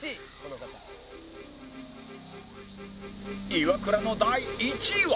イワクラの第１位は